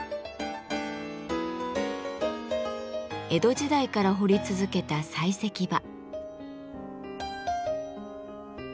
江戸時代から掘り続けた採石場。